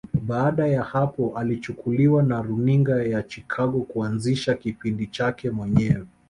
Baada ya hapo alichukuliwa na Runinga ya Chicago kuanzisha kipindi chake mwenyewe